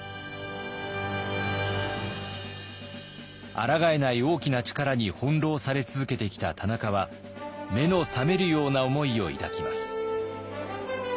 あらがえない大きな力に翻弄され続けてきた田中は目の覚めるような思いを抱きます。